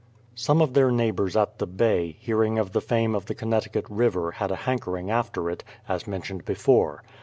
Some of their neighbours at the Bay, hearing of the fame of the Connecticut River had a hankering after it, as men tioned before.